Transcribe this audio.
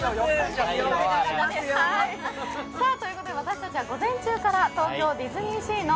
私たちは午前中から東京ディズニーシーの